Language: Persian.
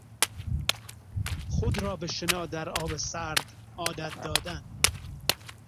خود را به شنا در آب سرد عادت دادن